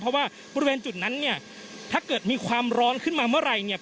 เพราะว่าบริเวณจุดนั้นเนี่ยถ้าเกิดมีความร้อนขึ้นมาเมื่อไหร่เนี่ย